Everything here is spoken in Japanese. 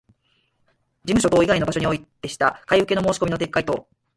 事務所等以外の場所においてした買受けの申込みの撤回等